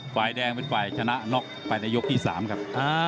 ฝ่ายแดงเป็นฝ่ายชนะน็อกไปในยกที่๓ครับ